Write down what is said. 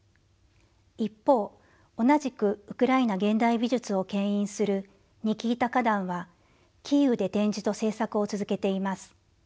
一方同じくウクライナ現代美術をけん引するニキータ・カダンはキーウで展示と制作を続けています。